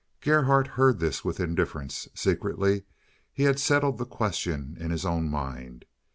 Gerhardt heard this with indifference. Secretly he had settled the question in his own mind.